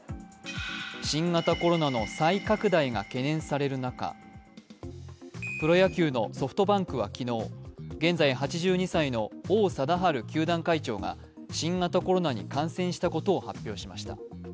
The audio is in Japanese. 新型コロナの再拡大が懸念される中、プロ野球のソフトバンクは昨日現在８２歳の王貞治球団会長が新型コロナに感染したことを発表しました。